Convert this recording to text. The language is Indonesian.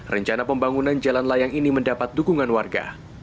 rencana pembangunan jalan layang ini mendapat dukungan warga